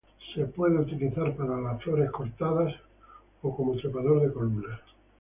Puede ser utilizado para las flores cortadas, o trepador columnas.